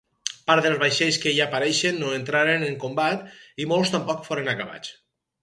Part dels vaixells que hi apareixen no entraren en combat i molts tampoc foren acabats.